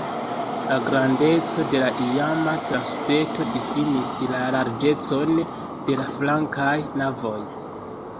La grandeco de la iama transepto difinis la larĝecon de la flankaj navoj.